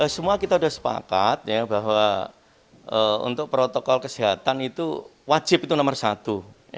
semua kita sudah sepakat bahwa untuk protokol kesehatan itu wajib itu nomor satu